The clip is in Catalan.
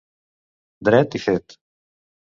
Dret i fet.